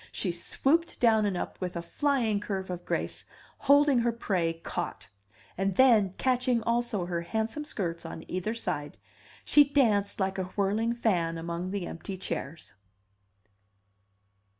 She swooped down and up with a flying curve of grace, holding her prey caught; and then, catching also her handsome skirts on either side, she danced like a whirling fan among the empty chairs.